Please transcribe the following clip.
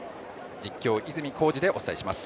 実況・泉浩司でお伝えします。